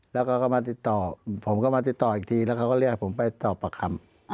แล้วก็มาติดต่อผมก็มาติดต่ออีกทีแล้วเขาก็เรียกผมไปตอบประคำ